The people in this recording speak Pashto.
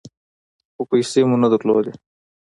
خو پیسې مو نه درلودې .